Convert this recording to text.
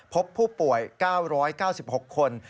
พบผู้ป่วย๙๙๖คน